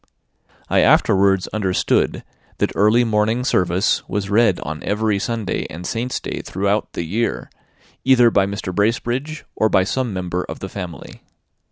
I afterwards understood that early morning service was read on every Sunday and saint's day throughout the year, either by Mr. Bracebridge or by some member of the family.